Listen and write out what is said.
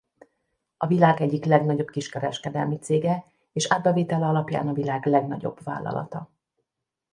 A világ egyik legnagyobb kiskereskedelmi cége és árbevétele alapján a világ legnagyobb vállalata.